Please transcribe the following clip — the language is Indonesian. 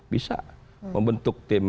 bisa membentuk tim